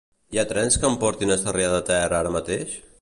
Hi ha trens que em portin a Sarrià de Ter ara mateix?